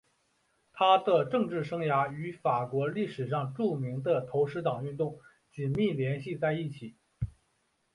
他的政治生涯与法国历史上著名的投石党运动紧密联系在一起。